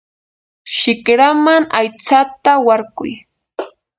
shikraman aytsata warkuy.